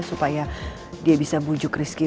supaya dia bisa bujuk rizki